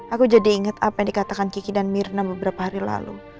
aku jadi ingat apa yang dikatakan kiki dan mirna beberapa hari lalu